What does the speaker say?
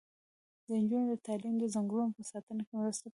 د نجونو تعلیم د ځنګلونو په ساتنه کې مرسته کوي.